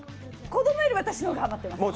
子供より私の方がハマってます。